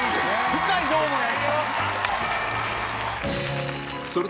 深い「どうも」や。